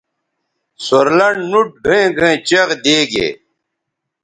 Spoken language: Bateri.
سور لنڈ نُوٹ گھئیں گھئیں چیغ دیگے